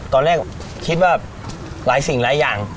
ตอนแรกคิดว่าหลายสิ่งหลายอย่าง